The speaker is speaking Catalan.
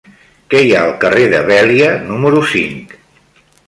Què hi ha al carrer de Vèlia número cinc?